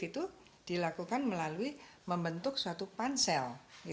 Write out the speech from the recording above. itu dilakukan melalui membentuk suatu pansel